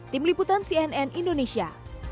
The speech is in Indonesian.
tim liputan cnn indonesia